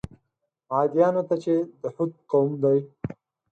عادیانو ته چې د هود قوم دی.